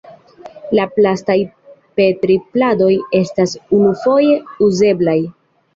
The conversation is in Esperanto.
La plastaj Petri-pladoj estas unufoje uzeblaj.